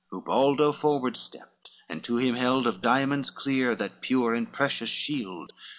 Ubaldo forward stepped, and to him hield Of diamonds clear that pure and precious shield.